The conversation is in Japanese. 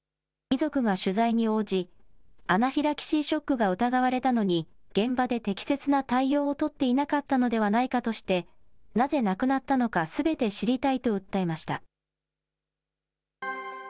遺族が取材に応じ、アナフィラキシーショックが疑われたのに、現場で適切な対応を取っていなかったのではないかとして、なぜ亡くなったのかすべて知りたいと訴えました。